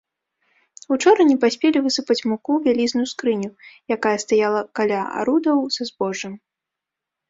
Учора не паспелі высыпаць муку ў вялізную скрыню, якая стаяла каля арудаў са збожжам.